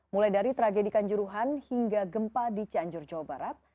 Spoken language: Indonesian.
mulai dari tragedi kanjuruhan hingga gempa di cianjur jawa barat